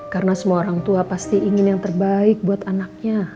karena semua orang tua pasti ingin yang terbaik buat anaknya